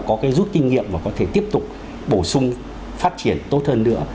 có cái rút kinh nghiệm và có thể tiếp tục bổ sung phát triển tốt hơn nữa